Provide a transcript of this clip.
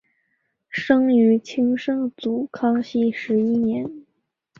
生于清圣祖康熙十一年。